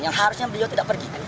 yang harusnya beliau tidak pergi